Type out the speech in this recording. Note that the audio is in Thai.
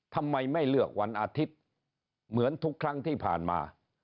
ทำไมไม่เลือกวันอาทิตย์เหมือนทุกครั้งที่ผ่านมา